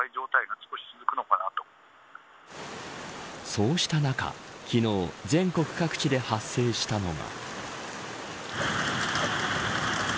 そうした中昨日、全国各地で発生したのが。